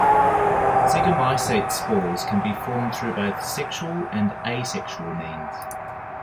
Zygomycete spores can be formed through both sexual and asexual means.